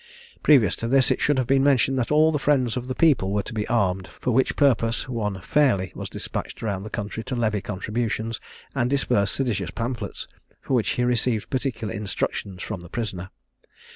Previous to this, it should have been mentioned that all the friends of the people were to be armed; for which purpose, one Fairley was despatched round the country to levy contributions, and disperse seditious pamphlets; for which he received particular instructions from the prisoner.